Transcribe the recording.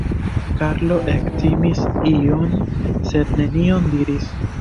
Karlo ektimis iom sed nenion diris.